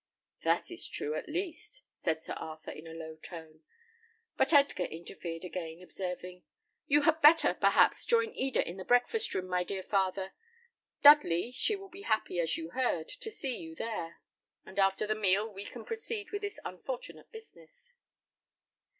"That is true, at least," said Sir Arthur, in a low tone. But Edgar interfered again, observing, "You had better, perhaps, join Eda in the breakfast room, my dear father. Dudley, she will be happy, as you heard, to see you there; and after the meal we can proceed with this unfortunate business."